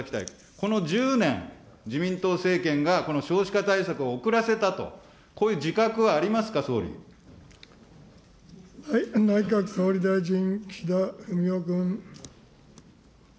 この１０年、自民党政権が少子化対策を遅らせたと、こういう自覚内閣総理大臣、岸田文雄君。